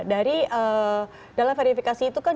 dari dalam verifikasi itu kan